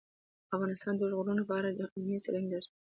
افغانستان د اوږده غرونه په اړه علمي څېړنې لري.